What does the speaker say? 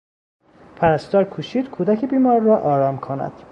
پرستار کوشید کودک بیمار را آرام کند.